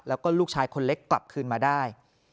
แล้วก็ลูกชายคนเล็กกลับคืนมาได้